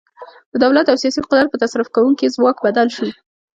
د دولت او سیاسي قدرت په تصرف کوونکي ځواک بدل شو.